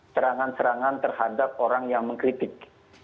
serangan serangan terhadap orang yang mengkritik